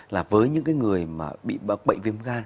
là với những cái người mà bị bệnh viêm gan